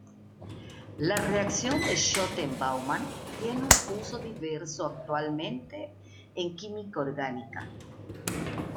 La reacción de Schotten–Baumann tiene un uso diverso actualmente en química orgánica.